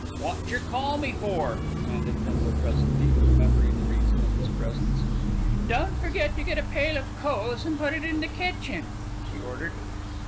"Wot jer call me for?" demanded Bindle presently, remembering the reason of his presence. "Don't forget to get a pail of coals and put it in the kitchen," she ordered.